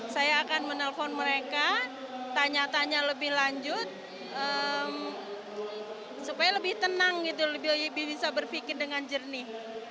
saya akan menelpon mereka tanya tanya lebih lanjut supaya lebih tenang gitu lebih bisa berpikir dengan jernih